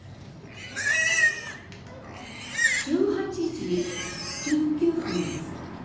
１８時１９分です。